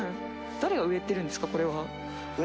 誰が植えてるんですか？